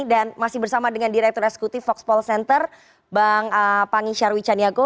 dan masih bersama dengan direktur eksekutif foxpol center bang pangi syarwi caniago